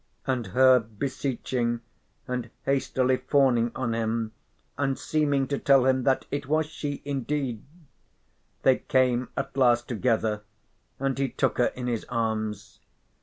and her beseeching and lastly fawning on him and seeming to tell him that it was she indeed, they came at last together and he took her in his arms.